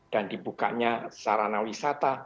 dan dibukanya sarana wisata